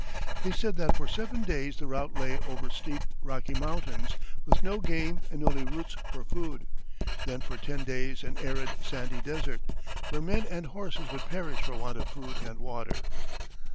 They said that for seven days the route lay over steep, rocky mountains, with no game and only roots for food; then for ten days an arid sandy desert, where men and horses would perish for want of food and water.